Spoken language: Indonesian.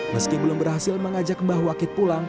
meski belum berhasil mengajak mbah wakit pulang